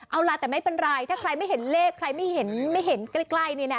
เอาล่ะแต่ไม่เป็นไรถ้าใครไม่เห็นเลขใครไม่เห็นไม่เห็นใกล้นี่นะ